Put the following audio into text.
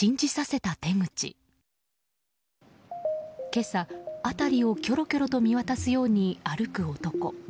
今朝、辺りをきょろきょろと見渡すように歩く男。